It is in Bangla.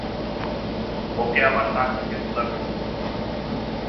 ওকে আমার নাক থেকে তুলা বের করতে বলো।